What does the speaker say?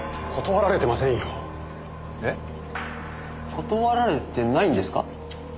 断られてないんですか？